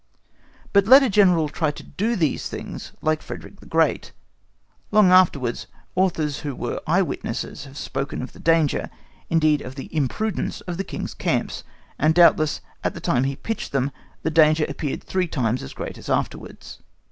But let a General try to do these things like Frederick the Great. Long afterwards authors, who were eyewitnesses, have spoken of the danger, indeed of the imprudence, of the King's camps, and doubtless, at the time he pitched them, the danger appeared three times as great as afterwards.